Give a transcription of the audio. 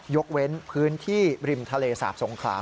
ยกเว้นพื้นที่ริมทะเลสาบสงขลา